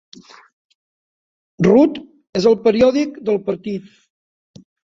"Rood" és el periòdic del partit.